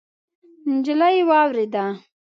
نجلۍ واورېده.